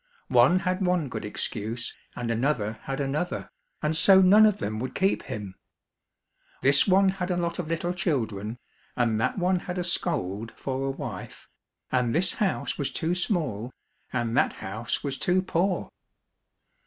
One had one good excuse and another had another, and so none of them would keep him. This one had a lot of little children, and that one had a scold for a wife, and this house was too small, and that house was too poor.